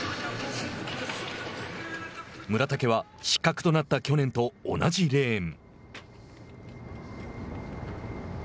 村竹は失格となった去年と同じレーン。